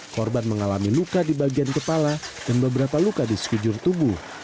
korban mengalami luka di bagian kepala dan beberapa luka di sekujur tubuh